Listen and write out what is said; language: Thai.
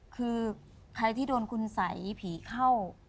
คือใครที่โดนคุณสัยผีเข้า